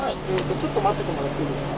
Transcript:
ちょっと待っててもらっていいですか？